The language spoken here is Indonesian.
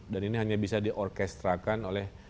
dan ini hanya bisa diorkestralkan oleh